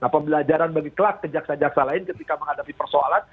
pembelajaran bagi kelak kejaksaan jaksa lain ketika menghadapi persoalan